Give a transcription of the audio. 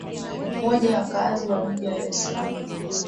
moja ya wakaazi wa jiji la dar es slaam